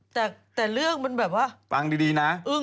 แต่เรื่องมันแบบว่าอึ้งเลยฟังดีนะ